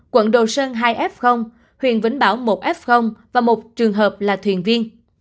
quận đồ sơn hai f huyện vĩnh bảo một f và một trường hợp là thuyền viên